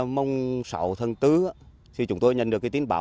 mùng sáu tháng bốn chúng tôi nhận được tin báo